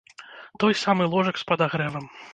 Той самы ложак з падагрэвам.